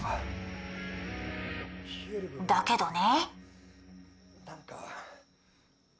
「だけどね」